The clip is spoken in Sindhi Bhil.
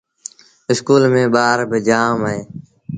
اسڪول ميݩ ٻآر با جآم اوهيݩ ۔